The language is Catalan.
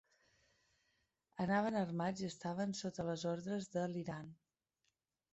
Anaven armats i estaven sota les ordres de l'Iran.